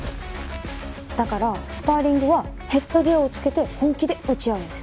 だからスパーリングはヘッドギアを着けて本気で打ち合うんです。